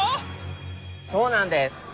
そうなんです。